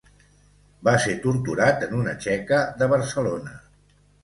Va ser torturat en una txeca de Barcelona.